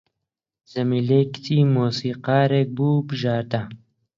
جەمیلەی کچی مۆسیقارێک بوو بژاردە